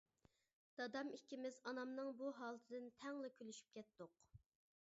دادام ئىككىمىز ئانامنىڭ بۇ ھالىتىدىن تەڭلا كۈلۈشۈپ كەتتۇق.